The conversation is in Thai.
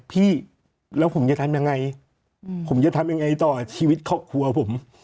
พี่แล้วผมจะทำยังไงผมจะทำยังไงต่อชีวิตครอบครัวผม